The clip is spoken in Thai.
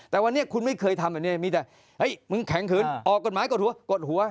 แต่วันนี้คุณไม่เคยทำแบบนี้มีแต่เฮ้ยมึงแข็งขืนออกกฎหมายกดหัวกดหัว